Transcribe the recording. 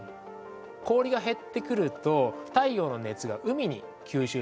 氷が減ってくると太陽の熱が海に吸収されて海が温まる。